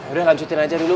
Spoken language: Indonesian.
udah lanjutin aja dulu